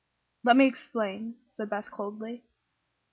"Let me explain," said Beth, coldly.